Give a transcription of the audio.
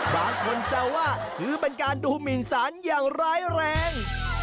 บางคนแซวว่าถือเป็นการดูหมินสารอย่างร้ายแรง